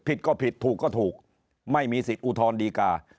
ผิดก็ผิดถูกก็ถูกไม่มีสิทธิ์อุทธรณ์ดีกา